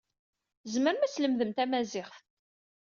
Tzemrem ad tlemdem tamaziɣt.